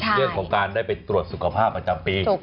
เรื่องของการได้ไปตรวจสุขภาพประจำปี